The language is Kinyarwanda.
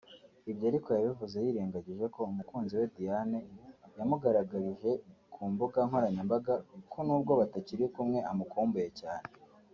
Ibyo ariko yabivuze yirengagije ko umukunzi we Diane yamugaragarije ku mbuga nkoranyambaga ko nubwo batakiri kumwe amukumbuye cyane